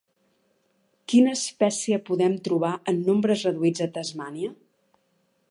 Quina espècie podem trobar en nombres reduïts a Tasmània?